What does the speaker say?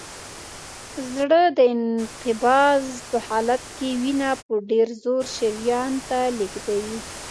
زړه د انقباض په حالت کې وینه په ډېر زور شریان ته لیږدوي.